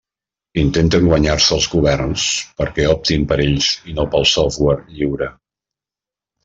Intenten guanyar-se els governs perquè optin per ells i no pel software lliure.